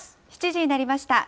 ７時になりました。